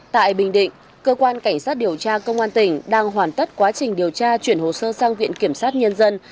tại bình định cơ quan cảnh sát điều tra công an tỉnh đang hoàn tất quá trình điều tra chuyển hồ sơ sang viện kiểm sát nhân dân